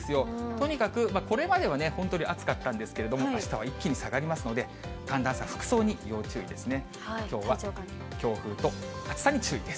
とにかく、これまではほんとに暑かったんですけれども、あしたは一気に下がりますので、寒暖差、服装に要注意ですね。